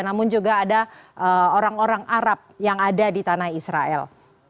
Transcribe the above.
namun juga ada orang orang arab yang ada di tanah israel